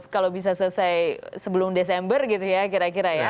kalau bisa selesai sebelum desember gitu ya kira kira ya